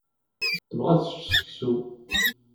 Tebɣa ad tečč seksu.